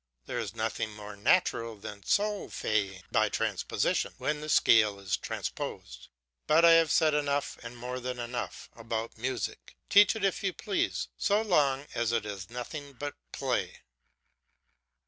There is nothing more natural than sol faing by transposition, when the scale is transposed. But I have said enough, and more than enough, about music; teach it as you please, so long as it is nothing but play.